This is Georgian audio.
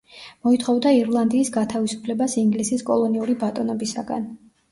მოითხოვდა ირლანდიის გათავისუფლებას ინგლისის კოლონიური ბატონობისაგან.